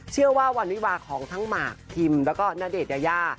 เชื่อว่าวันวิวาของทั้งหมากคิมแล้วก็ณเดชนยายา